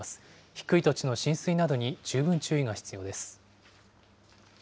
低い土地の浸水などに十分注意が必要です。